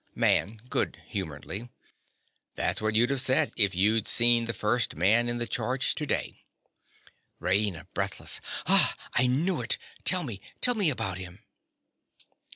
MAN. (goodhumoredly). That's what you'd have said if you'd seen the first man in the charge to day. RAINA. (breathless). Ah, I knew it! Tell me—tell me about him.